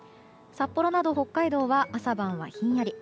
札幌など北海道は朝晩はひんやり。